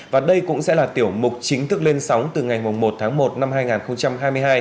và đây cũng sẽ là tiểu mục chính thức lên sóng từ ngày một tháng một năm hai nghìn hai mươi hai